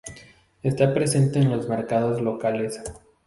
Está presente en los mercados locales.